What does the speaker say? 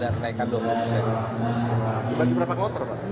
berangkat berapa kloter